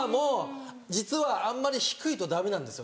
実はあんまり低いとダメなんですよ